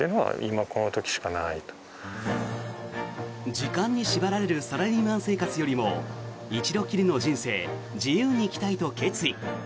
時間に縛られるサラリーマン生活よりも一度きりの人生自由に生きたいと決意。